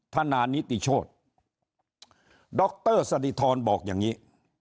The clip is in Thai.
ธนานิติโชธดรสดิธรบอกอย่างนี้